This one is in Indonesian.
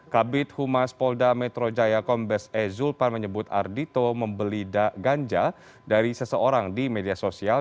kabit humas polda metro jaya kombes e zulpan menyebut ardhito membeli ganja dari seseorang di media sosial